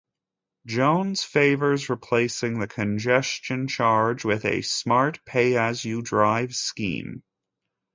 Jones favours replacing the congestion charge with a "smart, pay-as-you drive scheme".